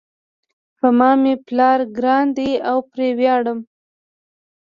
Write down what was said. په ما مېپلار ګران ده او پری ویاړم